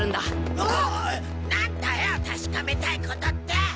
おい何だよ確かめたいことって？